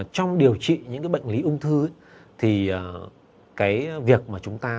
trong điều trị những cái bệnh lý ung thư thì cái việc mà chúng ta